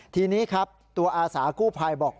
ทีนี้ครับตัวอาสากู้ภัยบอก